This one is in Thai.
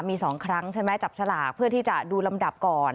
มี๒ครั้งใช่ไหมจับสลากเพื่อที่จะดูลำดับก่อน